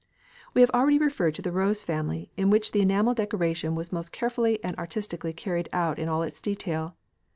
We have already referred to the rose family, in which the enamel decoration was most carefully and artistically carried out in all its detail.